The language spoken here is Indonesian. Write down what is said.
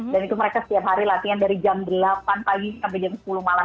dan itu mereka setiap hari latihan dari jam delapan pagi sampai jam sepuluh malam